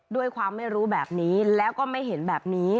ด้วยความไม่รู้แบบนี้แล้วก็ไม่เห็นแบบนี้